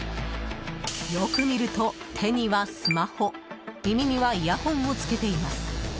よく見ると、手にはスマホ耳にはイヤホンを着けています。